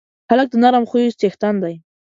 هلک د نرم خوی څښتن دی.